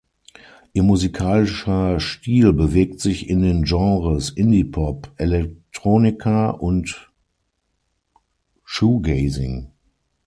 Ihr musikalischer Stil bewegt sich in den Genres Indie-Pop, Electronica und Shoegazing.